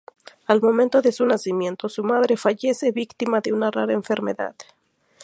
Al momento de su nacimiento, su madre fallece víctima de una rara enfermedad.